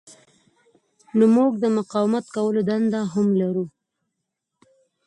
نو موږ د مقاومت کولو دنده هم لرو.